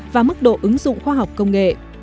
và mức độ ứng dụng khoa học công nghệ